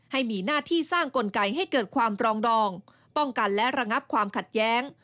ให้มีหน้าที่สร้างกลไกให้เกิดความปรองดองป้องกันและระงับความขัดแย้ง